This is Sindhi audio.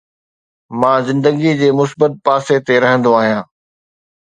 مان زندگي جي مثبت پاسي تي رهندو آهيان